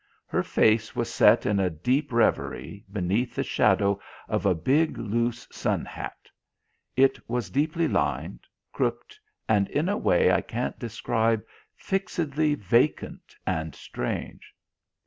Her face was set in a deep reverie beneath the shadow of a big loose sunhat. It was deeply lined, crooked, and, in a way I can't describe, fixedly vacant and strange.